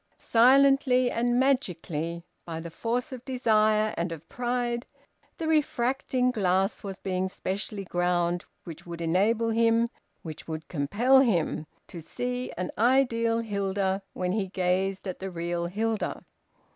Silently and magically, by the force of desire and of pride, the refracting glass was being specially ground which would enable him, which would compel him, to see an ideal Hilda when he gazed at the real Hilda.